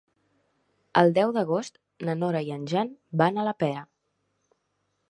El deu d'agost na Nora i en Jan van a la Pera.